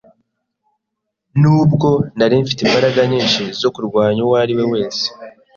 nubwo nari mfite imbaraga nyinshi zo kurwanya uwo ari we wese,